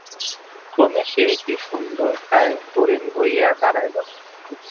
ক্রমে সে একটি সুন্দরকায় হরিণ হইয়া দাঁড়াইল।